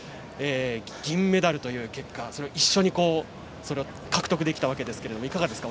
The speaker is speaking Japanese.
銀メダルという結果一緒に獲得できたわけですがいかがですか。